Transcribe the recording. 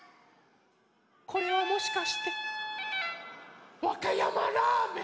これはもしかしてわかやまラーメン！